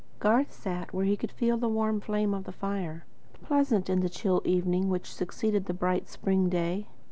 Garth sat where he could feel the warm flame of the fire, pleasant in the chill evening which succeeded the bright spring day.